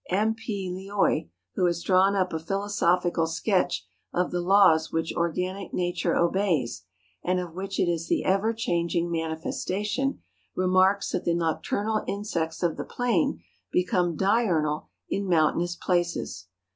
M. P, Lioy, who has drawn up a philosophical sketch of the laws which organic nature obeys, and of which it is the ever changing manifestation, remarks that the noc¬ turnal insects of the plain become diurnal in moun¬ tainous places.